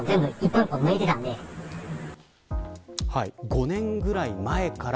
５年ぐらい前から。